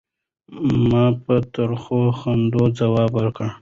ما په ترخه خندا ځواب ورکړ.